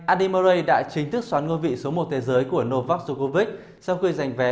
andy murray đã chính thức xoán ngôi vị số một thế giới của novak djokovic sau khi giành vé